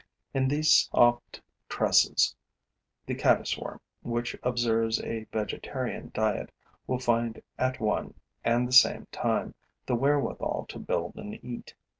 In these soft tresses, the caddis worm, which observes a vegetarian diet, will find at one and the same time the wherewithal to build and eat.